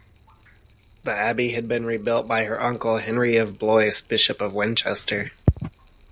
The abbey had been rebuilt by her uncle Henry of Blois, Bishop of Winchester.